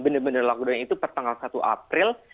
bener bener lockdown itu per tanggal satu april